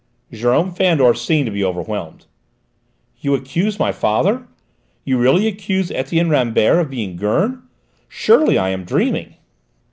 Jérôme Fandor seemed to be overwhelmed. "You accuse my father? You really accuse Etienne Rambert of being Gurn? Surely I am dreaming!"